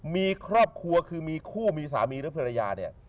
มีครอบครัวคือมีคู่มีสามีหรือภรรยาเนี่ย